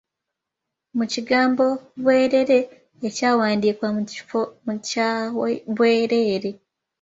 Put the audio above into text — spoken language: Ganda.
Mu kigambo ‘bwerere’ ekyawandiikibwa mu kifo kya 'bwereere'.